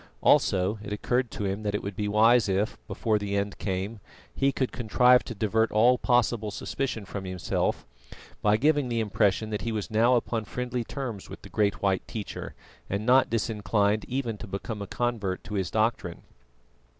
Also it occurred to him that it would be wise if, before the end came, he could contrive to divert all possible suspicion from himself, by giving the impression that he was now upon friendly terms with the great white teacher and not disinclined even to become a convert to his doctrine.